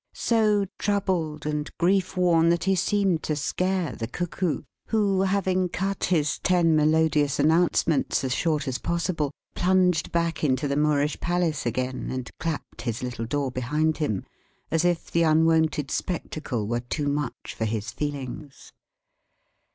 So troubled and grief worn, that he seemed to scare the Cuckoo, who, having cut his ten melodious announcements as short as possible, plunged back into the Moorish Palace again, and clapped his little door behind him, as if the unwonted spectacle were too much for his feelings.